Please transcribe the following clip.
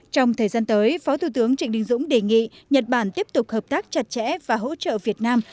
trong thời gian tới phó thủ tướng trịnh đình dũng đề nghị nhật bản tiếp tục hợp tác chặt chẽ và hỗ trợ việt nam